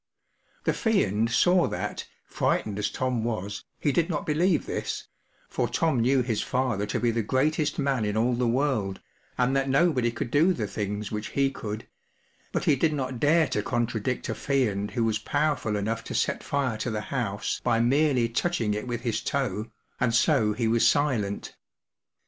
” The Fiend saw that, frightened as Tom w r as, he did not believe this, for Tom knew his father to be the greatest man in all the world, and that nobody could do the things which he could ; but he did not dare to contradict a Fiend w ho w r as powerful enough to set fire to the house by merely touching it with his toe, and so he was silent.